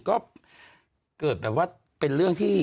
ก็เกิดแบบว่าเป็นเรื่องที่